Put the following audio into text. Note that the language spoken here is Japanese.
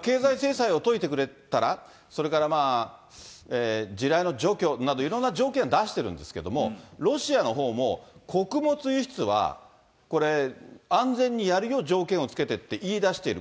経済制裁を解いてくれたら、それから地雷の除去など、いろんな条件出してるんですけれども、ロシアのほうも穀物輸出はこれ、安全にやるよ、条件を付けてって言い出している。